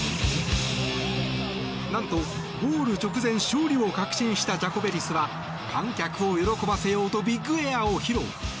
なんとゴール直前勝利を確信したジャコベリスは観客を喜ばせようとビッグエアを披露。